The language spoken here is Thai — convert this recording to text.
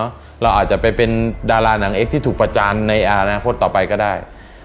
เราอาจจะไปเป็นดาราหนังเอ็กซที่ถูกประจานในอนาคตต่อไปก็ได้